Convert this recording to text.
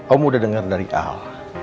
om udah dengar dari al